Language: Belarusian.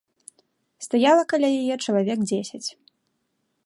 Стаяла каля яе чалавек дзесяць.